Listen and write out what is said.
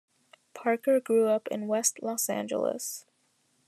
Parker grew up in West Los Angeles.